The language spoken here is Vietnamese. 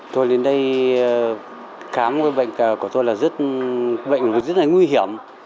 tôi đến đây khám bệnh của tôi là rất bệnh và rất là nguy hiểm